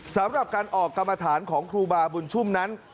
สำหรับการออกกรรมฐานของครูบาบุญชุ่มนั้น